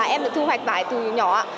em được thu hoạch vải từ nhỏ